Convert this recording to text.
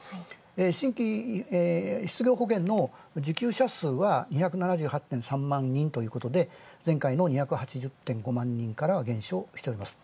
新規失業保険の受給者は２７８．３万人前回の２８０．５万件から減少しています。